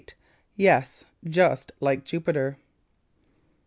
YES, JUST LIKE JUPITER.